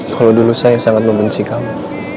kalau dulu saya sangat membenci kamu